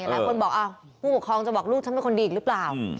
มีคนบอกเอาผู้ปกครองจะบอกว่าลูกฉันไม่คนดีอีกหรือเปล่า